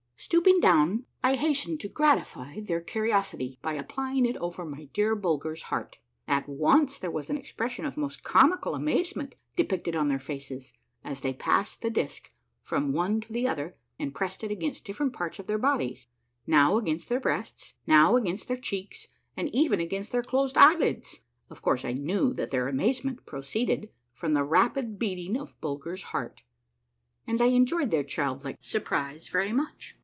Stooping down, 1 hastened to gratify their curiosity by apply ing it over my dear Bulger's lieart. At once there Avas an expression of most comical amazement depicted on their faces as they passed the disk from one to the other and pressed it against different parts of their bodies — now against their breasts, noAv against their cheeks, and even against their closed eyelids. Of course I kneAV that their amazement proceeded from the rapid beating of Bulger's heart, and I enjoyed their childlike surprise very much.